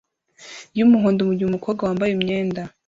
yumuhondo mugihe umukobwa wambaye imyenda